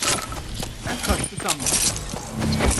Ben kaçtı sanmıştım.